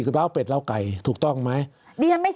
คือเปล่าเป็ดเล่าไก่ถูกต้องไหม